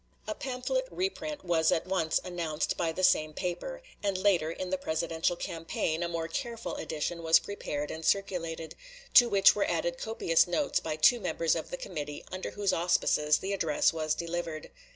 A pamphlet reprint was at once announced by the same paper; and later, in the Presidential campaign, a more careful edition was prepared and circulated, to which were added copious notes by two members of the committee under whose auspices the address was delivered.